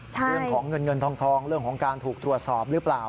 เรื่องของเงินเงินทองเรื่องของการถูกตรวจสอบหรือเปล่า